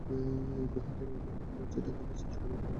মহেন্দ্র লজ্জা ঢাকিতে চেষ্টা করিয়া কহিল, না, সেটা কাটাইয়া দেওয়া গেছে।